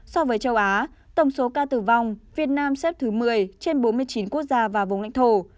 so với châu á tổng số ca tử vong việt nam xếp thứ một mươi trên bốn mươi chín quốc gia và vùng lãnh thổ